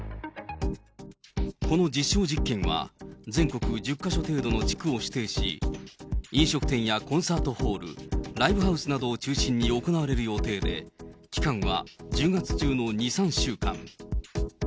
この実証実験は、全国１０か所程度の地区を指定し、飲食店やコンサートホール、ライブハウスなどを中心に行われる予定で、期間は１０月中の２、３週間。